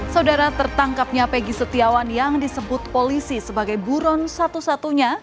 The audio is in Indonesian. saudara tertangkapnya peggy setiawan yang disebut polisi sebagai buron satu satunya